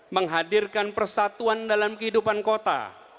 menghadirkan persatuan dalam kehidupan kota